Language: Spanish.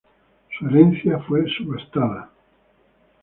Su herencia fue subastada.